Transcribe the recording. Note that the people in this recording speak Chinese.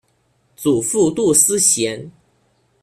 祖父杜思贤。